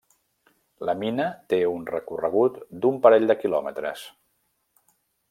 La mina té un recorregut d'un parell de kilòmetres.